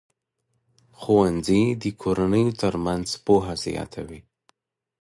ښوونځي د کورنیو ترمنځ پوهه زیاتوي.